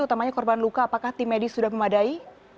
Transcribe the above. utamanya korban luka apakah tim medis sudah memadai